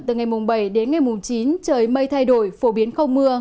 từ ngày bảy đến ngày chín trời mây thay đổi phổ biến không mưa